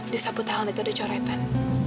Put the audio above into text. di sapu tangan itu ada coretan